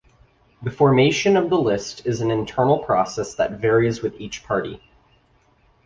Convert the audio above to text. The formation of the list is an internal process that varies with each party.